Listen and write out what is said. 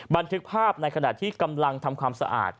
บันทึกภาพในขณะที่กำลังทำความสะอาด